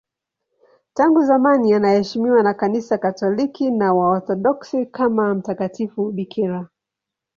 Tangu zamani anaheshimiwa na Kanisa Katoliki na Waorthodoksi kama mtakatifu bikira.